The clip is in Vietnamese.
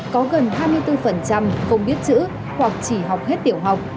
có gần hai mươi bốn không biết chữ hoặc chỉ học hết tiểu học